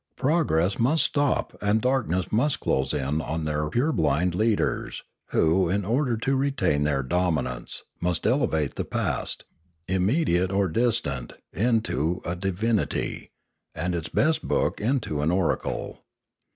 Progress must stop and darkness must close in on their purblind leaders, who, in order to re tain their dominance, must elevate the past, immediate or distant, into a divinity, and its best book into an oracle.